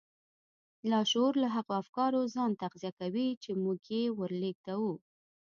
لاشعور له هغو افکارو ځان تغذيه کوي چې موږ يې ور لېږدوو.